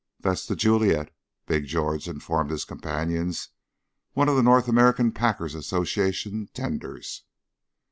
"That's The Juliet," Big George informed his companions, "one of the North American Packers' Association tenders."